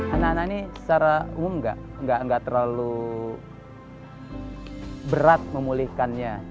anak anak ini secara umum nggak terlalu berat memulihkannya